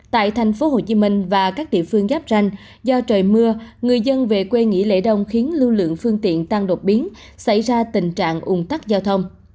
tại thành phố hồ chí minh và các địa phương giáp ranh do trời mưa người dân về quê nghỉ lễ đông khiến lưu lượng phương tiện tăng đột biến xảy ra tình trạng ung tắc giao thông